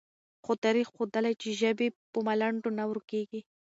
خو تاریخ ښودلې، چې ژبې په ملنډو نه ورکېږي،